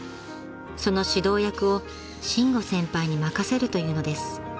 ［その指導役を伸吾先輩に任せるというのです］